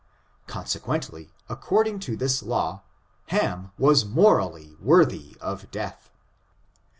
Consequently, according to this law, Ham was morally worthy of death.